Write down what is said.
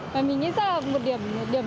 và mình nghĩ rất là một điểm